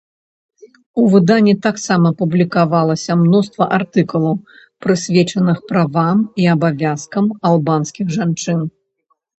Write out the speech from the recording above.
У выданні таксама публікавалася мноства артыкулаў, прысвечаных правам і абавязкам албанскіх жанчын.